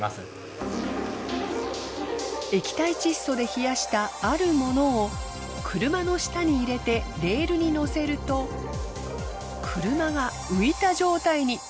液体窒素で冷やしたあるものを車の下に入れてレールに乗せると車が浮いた状態に。